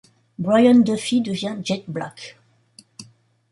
Brian Duffy devient Jet Black.